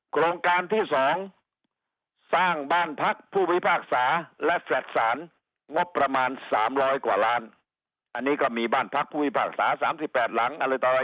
โครงการที่๒สร้างบ้านพักผู้พิพากษาและแฟล็ดสาร๓๐๐หลัง